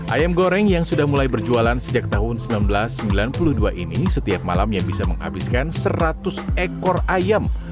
ayam goreng yang sudah mulai berjualan sejak tahun seribu sembilan ratus sembilan puluh dua ini setiap malam yang bisa menghabiskan seratus ekor ayam